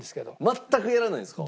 全くやらないんですか？